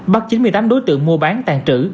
bắt chín mươi tám đối tượng mua bán tàn trữ